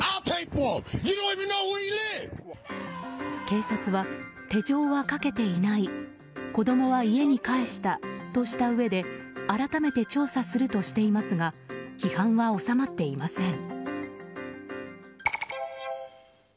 警察は、手錠はかけていない子供は家に帰したとしたうえで改めて調査するとしていますが批判は収まっていません。